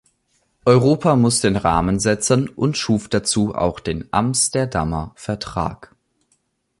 Europa muss den Rahmen setzen und schuf dazu auch den Amsterdamer Vertrag.